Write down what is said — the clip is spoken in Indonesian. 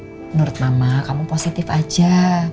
menurut mama kamu positif aja